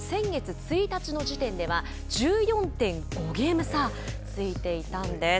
実は、この両チーム先月１日の時点では１４．５ゲーム差がついていたんです。